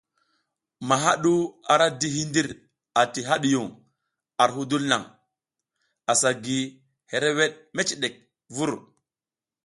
Maha ɗu ara di hindir ati hadiyun ar hudul naŋ, asa gi hereweɗ meciɗek vur.